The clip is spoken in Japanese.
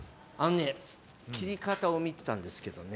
切り方を見てたんですけどね